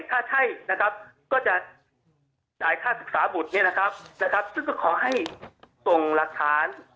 ถ้าใช่ก็จะจ่ายค่าศึกษาบุตรซึ่งก็ขอให้ส่งหลักฐาน